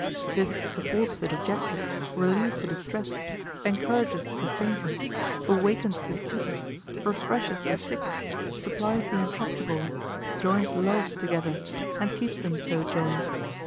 This supports the dejected, relieves the distressed, encourages the fainting, awakens the stupid, refreshes the sick, supplies the untractable, joins loves together, and keeps them so joined.